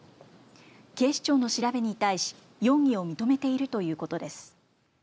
警視庁の調べに対し容疑を認めているということです。